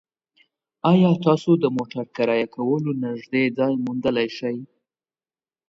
ایا تاسو د موټر کرایه کولو نږدې ځای موندلی شئ؟